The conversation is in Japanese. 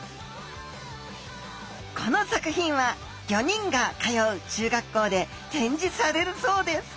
この作品は５人が通う中学校で展示されるそうです。